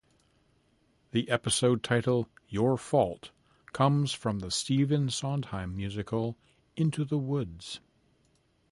The episode title "Your Fault" comes from the Stephen Sondheim musical, "Into the Woods".